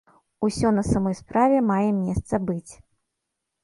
Усё на самай справе мае месца быць.